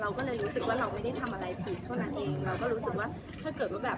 ก็เลยรู้สึกว่าเราไม่ได้ทำอะไรผิดเท่านั้นเองเราก็รู้สึกว่าถ้าเกิดว่าแบบ